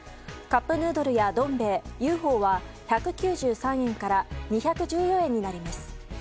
カップヌードルやどん兵衛、Ｕ．Ｆ．Ｏ．は１９３円から２１４円になります。